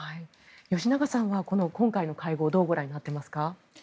吉永さんは今回の会合どうご覧になっていますか？